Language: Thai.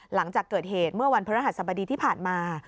หลังจากเกิดเหตุเมื่อวันพระรหัสบดีที่ผ่านมา